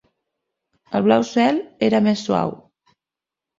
El blau del cel era més suau